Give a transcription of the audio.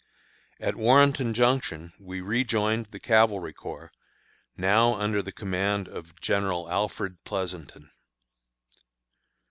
] At Warrenton Junction we rejoined the Cavalry Corps, now under the command of General Alfred Pleasonton.